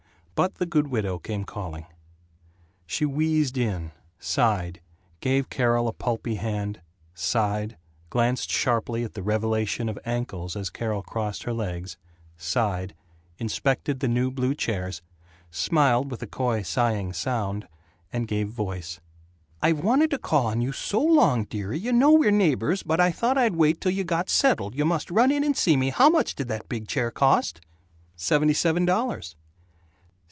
But the good widow came calling. She wheezed in, sighed, gave Carol a pulpy hand, sighed, glanced sharply at the revelation of ankles as Carol crossed her legs, sighed, inspected the new blue chairs, smiled with a coy sighing sound, and gave voice: "I've wanted to call on you so long, dearie, you know we're neighbors, but I thought I'd wait till you got settled, you must run in and see me, how much did that big chair cost?" "Seventy seven dollars!"